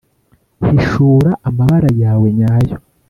hishura amabara yawe nyayo.